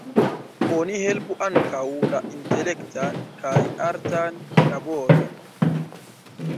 Oni helpu ankaŭ la intelektan kaj artan laboron.